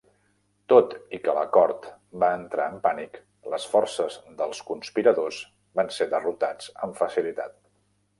Tot i que la cort va entrar en pànic, les forces dels conspiradors van ser derrotats amb facilitat.